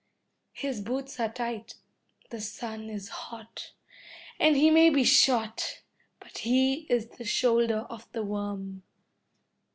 His boots are tight, the sun is hot, and he may be shot, but he is in the shoulder of the worm.